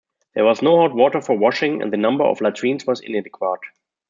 There was no hot water for washing, and the number of latrines was inadequate.